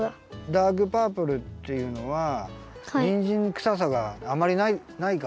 ダークパープルっていうのはにんじんくささがあまりないから。